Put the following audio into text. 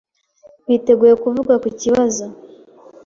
Biteguye kuvuga kukibazo